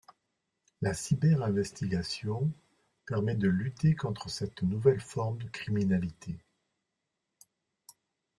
La cyber-investigation permet de lutter contre cette nouvelle forme de criminalité.